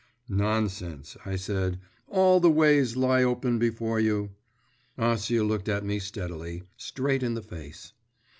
'Nonsense,' I said; 'all the ways lie open before you.…' Acia looked at me steadily, straight in the face.